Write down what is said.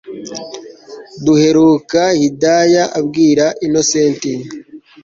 Duheruka Hidaya abwira innocent